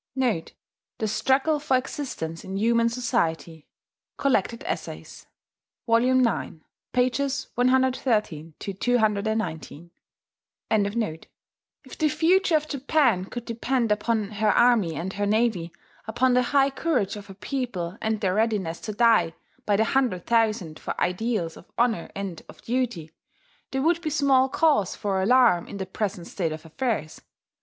"* [*The Struggle for Existence in Human Society. "Collected Essays," Vol. IX. pp, 113 219.] If the future of Japan could depend upon her army and her navy, upon the high courage of her people and their readiness to die by the hundred thousand for ideals of honour and of duty, there would be small cause for alarm in the present state of affairs.